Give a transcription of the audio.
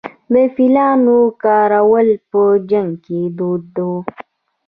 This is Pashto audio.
د فیلانو کارول په جنګ کې دود و